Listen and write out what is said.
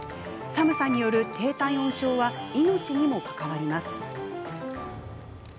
寒さによる低体温症は命にも関わります。